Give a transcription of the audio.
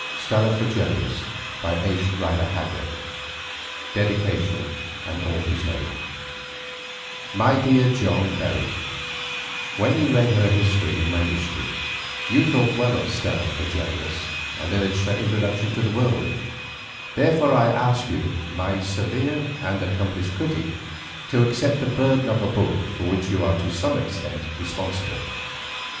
STELLA COMES CHAPTER XXIV. DREAMS AND THE SLEEP DEDICATION My Dear John Berwick, When you read her history in MS. you thought well of "Stella Fregelius" and urged her introduction to the world. Therefore I ask you, my severe and accomplished critic, to accept the burden of a book for which you are to some extent responsible.